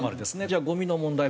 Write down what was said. じゃあゴミの問題。